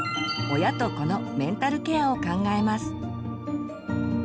親と子のメンタルケアを考えます。